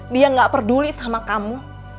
dia gak peduli sama kamu